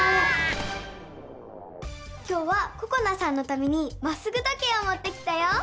今日はここなさんのためにまっすぐ時計をもってきたよ！